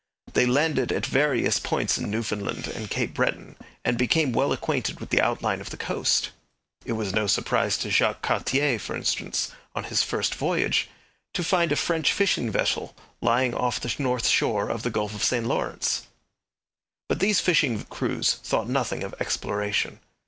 They landed at various points in Newfoundland and Cape Breton, and became well acquainted with the outline of the coast. It was no surprise to Jacques Cartier, for instance, on his first voyage, to find a French fishing vessel lying off the north shore of the Gulf of St Lawrence. But these fishing crews thought nothing of exploration.